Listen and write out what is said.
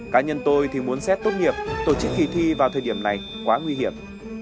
cá nhân tôi thì muốn xét tốt nghiệp tổ chức kỳ thi vào thời điểm này quá nguy hiểm